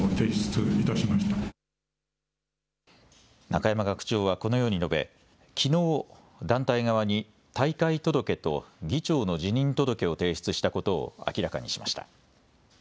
中山学長はこのように述べきのう、団体側に退会届と議長の辞任届を提出したことを明らかにしました。